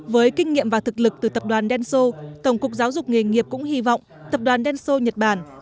với kinh nghiệm và thực lực từ tập đoàn denso tổng cục giáo dục nghề nghiệp cũng hy vọng tập đoàn denso nhật bản